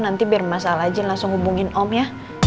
nanti biar mas al aja langsung hubungin om ya